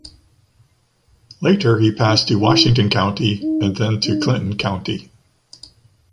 Later he passed to Washington County and then to Clinton County.